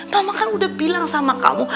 mama kan udah bilang sama kamu